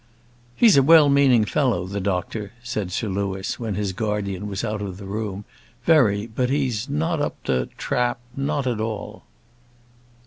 "He's a well meaning fellow, the doctor," said Sir Louis, when his guardian was out of the room, "very; but he's not up to trap not at all."